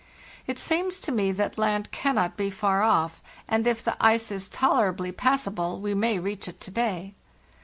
It seems to me that land cannot be far off, and if the ice is tolerably passable we may reach it to day.